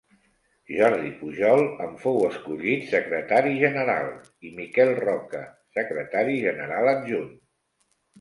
Jordi Pujol en fou escollit secretari general i Miquel Roca secretari general adjunt.